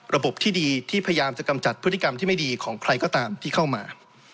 ระบบที่ดีที่พยายามจะกำจัดพฤติกรรมที่ไม่ดีของใครก็ตามที่เข้ามา